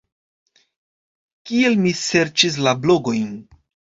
Kiel mi serĉis la blogojn?